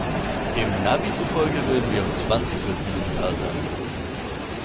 Dem Navi zufolge werden wir um zwanzig Uhr sieben da sein.